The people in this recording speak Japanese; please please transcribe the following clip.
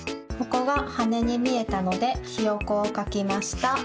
ここがはねにみえたのでひよこをかきました。